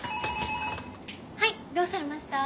はいどうされました？